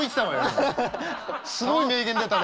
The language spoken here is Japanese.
すごい名言出たね